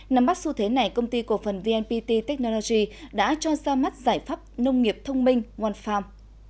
nằm mắt xu thế này công ty cổ phần vnpt technology đã cho ra mắt giải pháp nông nghiệp thông minh onefarm